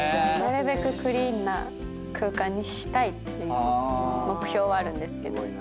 なるべくクリーンな空間にしたいっていう目標はあるんですけど。